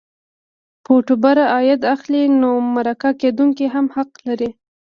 یوټوبر عاید اخلي نو مرکه کېدونکی هم حق لري.